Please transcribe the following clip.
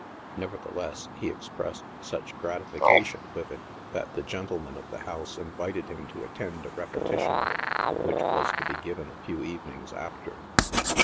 Nevertheless, he expressed such gratification with it, that the gentleman of the house invited him to attend a repetition of it, which was to be given a few evenings after.